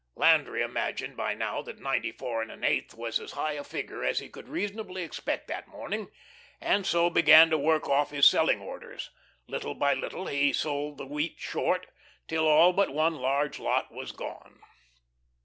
Landry imagined by now that ninety four and an eighth was as high a figure as he could reasonably expect that morning, and so began to "work off" his selling orders. Little by little he sold the wheat "short," till all but one large lot was gone.